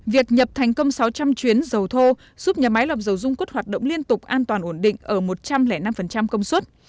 việc nhập thành công sáu trăm linh chuyến dầu thô giúp nhà máy lọc dầu dung quất hoạt động liên tục an toàn ổn định ở một trăm linh năm công suất